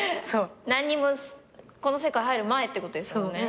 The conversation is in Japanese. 何にもこの世界入る前ってことですよね。